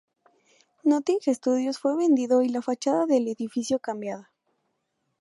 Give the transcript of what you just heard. Nothing Studios fue vendido y la fachada del edificio cambiada.